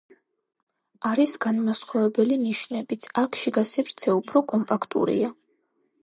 არის განმასხვავებელი ნიშნებიც: აქ შიგა სივრცე უფრო კომპაქტურია.